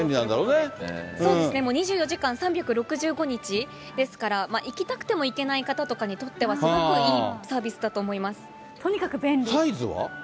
そうですね、もう２４時間３６５日、ですから、行きたくても行けない方とかにとっては、すごくいいサービスだととにかく便利。